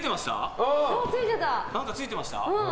何かついてました？